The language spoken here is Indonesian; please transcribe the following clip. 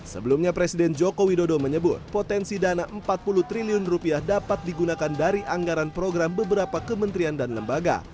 sebelumnya presiden joko widodo menyebut potensi dana rp empat puluh triliun rupiah dapat digunakan dari anggaran program beberapa kementerian dan lembaga